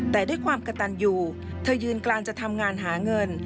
แต่ด้วยความกระตันอยู่เธอยืนกลางจะทำงานหาเงิน